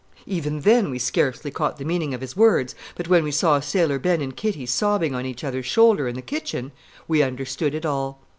Even then we scarcely caught the meaning of his words, but when we saw Sailor Ben and Kitty sobbing on each other's shoulder in the kitchen, we understood it all.